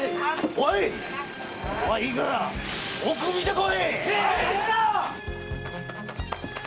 ここはいいから奥を見てこい！